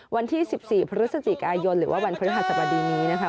วันที่๑๔พฤศจิกายนหรือว่าวันพฤหัสบดีนี้นะคะ